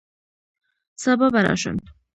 سبا به راشم